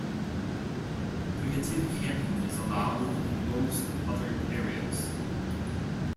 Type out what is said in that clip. Primitive camping is allowed in most other areas.